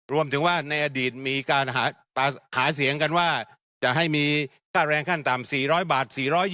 รวมถึงว่าในอดีตมีการหาเสียงกันว่าจะให้มีค่าแรงขั้นต่ำ๔๐๐บาท